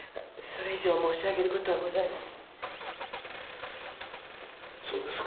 それ以上申し上げることはございません。